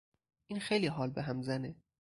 این خیلی حال بهم زنه.